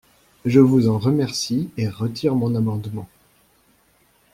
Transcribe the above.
Je vous en remercie et retire mon amendement.